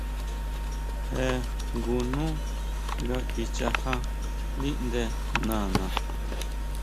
Je jngu nú nga kichajá ndíʼnde nana .